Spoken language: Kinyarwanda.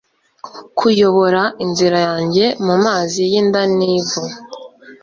kuyobora inzira yanjye mumazi yinda nivu